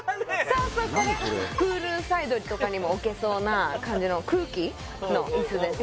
そうそうこれプールサイドとかにも置けそうな感じの空気？の椅子です